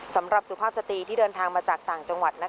สุภาพสตรีที่เดินทางมาจากต่างจังหวัด